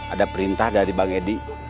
ada perintah dari bang edi